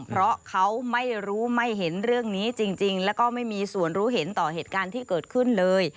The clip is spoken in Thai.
เพราะเขาไม่รู้ไม่เห็นเรื่องนี้จริงแล้วก็ไม่มีส่วนรู้เห็นต่อเหตุการณ์ที่เกิดขึ้นเลย